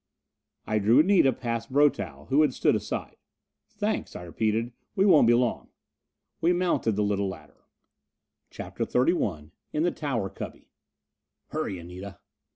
I drew Anita past Brotow, who had stood aside. "Thanks," I repeated. "We won't be long." We mounted the little ladder. CHAPTER XXXI In the Tower Cubby "Hurry, Anita!"